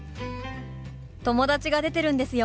友達が出てるんですよ。